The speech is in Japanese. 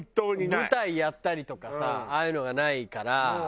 舞台やったりとかさああいうのがないから。